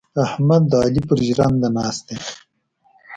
احمد د علي پر ژرنده ناست دی.